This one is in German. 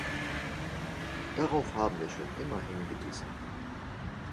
Darauf haben wir schon immer hingewiesen.